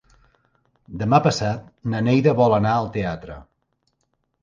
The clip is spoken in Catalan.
Demà passat na Neida vol anar al teatre.